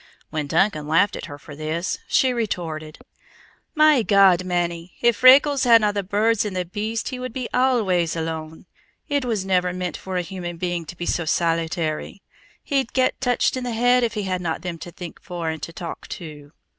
When Duncan laughed at her for this, she retorted: "My God, mannie, if Freckles hadna the birds and the beasts he would be always alone. It was never meant for a human being to be so solitary. He'd get touched in the head if he hadna them to think for and to talk to."